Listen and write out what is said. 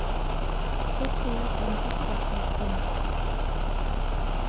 Este é o principio da súa fin.